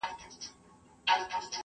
هم کاغذ هم یې قلم ورته پیدا کړ .